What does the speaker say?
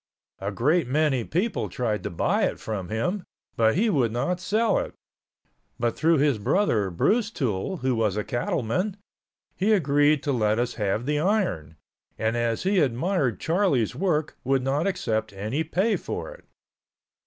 A great many people tried to buy it from him, but he would not sell it, but through his brother, Bruce Toole, who was a cattleman, he agreed to let us have the iron, and as he admired Charlie's work would not accept any pay for it.